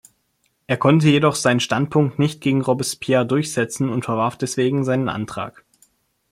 Er konnte jedoch seinen Standpunkt nicht gegen Robespierre durchsetzen und verwarf deswegen seinen Antrag.